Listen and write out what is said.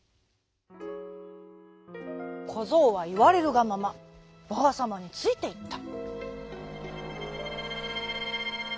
こぞうはいわれるがままばあさまについていった。